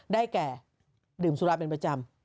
ได้แก่ดื่มสุราเป็นประจำ